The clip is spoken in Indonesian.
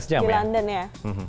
tujuh belas jam di london ya